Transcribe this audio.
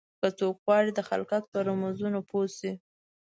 که څوک غواړي د خلقت په رمزونو پوه شي.